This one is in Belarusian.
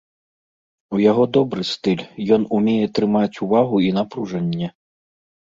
У яго добры стыль, ён умее трымаць увагу і напружанне.